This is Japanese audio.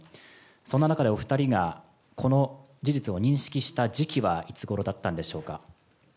そんな中で、お２人がこの事実を認識した時期はいつごろだったんでしょうか。